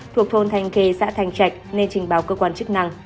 thuộc thôn thanh khê xã thanh trạch nên trình báo cơ quan chức năng